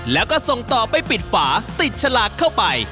แล้วก็ส่งต่อไปปิดฝาติดฉลากเข้าไป